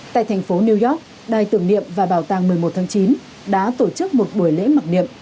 tại thành phố new york đài tưởng niệm và bảo tàng một mươi một tháng chín đã tổ chức một buổi lễ mặc niệm